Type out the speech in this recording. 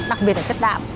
đặc biệt là chất đạm